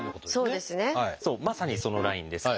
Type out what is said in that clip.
まさにそのラインです。